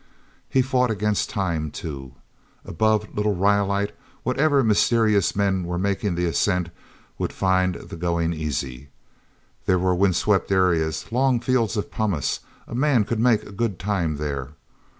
He fought against time, too. Above Little Rhyolite, whatever mysterious men were making the ascent would find the going easy. There were windswept areas, long fields of pumice; a man could make good time there.